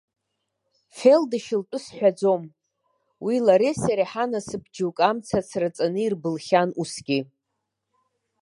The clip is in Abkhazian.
Фелдышь лтәы сҳәаӡом, уи лареи сареи ҳанасыԥ џьоук амца ацраҵаны ирбылхьан усгьы.